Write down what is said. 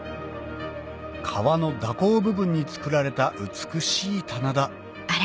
川の蛇行部分に作られた美しい棚田